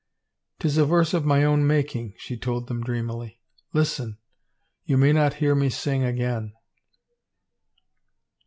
" Tis a verse of my own making," she told them dreamily. " Listen ; you may not hear me sing again.